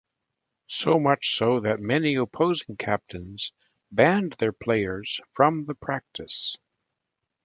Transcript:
So much so, that many opposing captains banned their players from the practice.